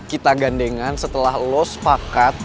kita gandengan setelah lo sepakat